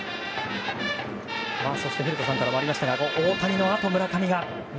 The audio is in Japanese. そして古田さんからもありましたが大谷のあと村上が。